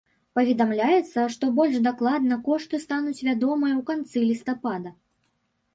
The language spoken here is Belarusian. Паведамляецца, што больш дакладна кошты стануць вядомыя ў канцы лістапада.